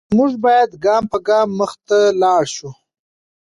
موږ باید ګام په ګام مخته لاړ شو.